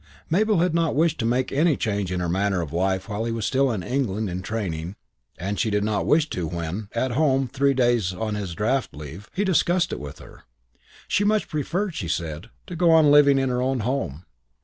Mabel had not wished to make any change in her manner of life while he was still in England in training and she did not wish to when, at home three days on his draft leave, he discussed it with her. She much preferred, she said, to go on living in her own home.